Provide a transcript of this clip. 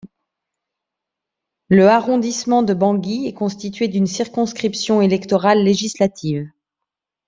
Le arrondissement de Bangui est constitué d’une circonscription électorale législative.